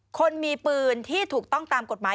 คนมีปืนที่ถูกต้องตามกฎหมาย